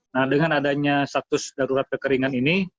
nah dengan adanya status darurat kekeringan ini